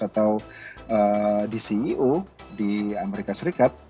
atau di ceo di amerika serikat